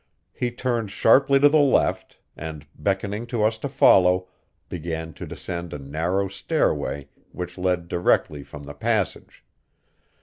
He turned sharply to the left, and, beckoning to us to follow, began to descend a narrow stairway which led directly from the passage.